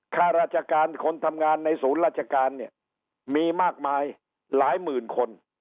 ข้าราชการคนทำงานในศูนย์ราชการเนี่ยมีมากมายหลายหมื่นคน